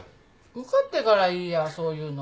受かってから言いやそういうの。